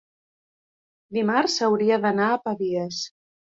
Dimarts hauria d'anar a Pavies.